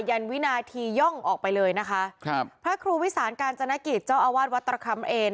ยันวินาทีย่องออกไปเลยนะคะครับพระครูวิสานกาญจนกิจเจ้าอาวาสวัดตรคำเอน